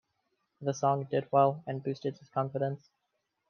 The song did well, and boosted his confidence.